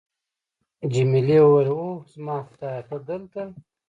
جميلې وويل:: اوه، زما خدایه، ته دلته!